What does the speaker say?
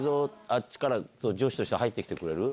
あっちから上司として入って来てくれる？